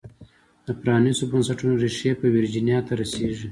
د پرانیستو بنسټونو ریښې په ویرجینیا ته رسېږي.